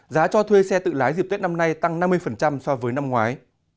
giá cho thuê xe tự lái dịp tết năm nay tăng năm mươi so với năm ngoái